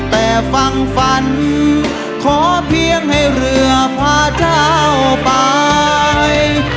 แต่ฟังฝันขอเพียงให้เรือพาเจ้าไป